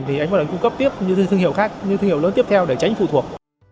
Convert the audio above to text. thì anh có thể cung cấp tiếp những thương hiệu khác những thương hiệu lớn tiếp theo để tránh phụ thuộc